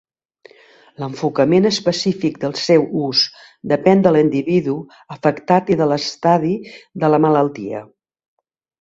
L'enfocament específic del seu ús depèn de l'individu afectat i de l'estadi de la malaltia.